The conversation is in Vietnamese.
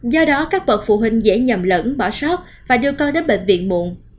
do đó các bậc phụ huynh dễ nhầm lẫn bỏ sót và đưa con đến bệnh viện muộn